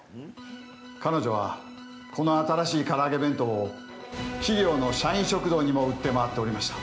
彼女は、この新しいから揚げ弁当を企業の社員食堂にも売って回っておりました。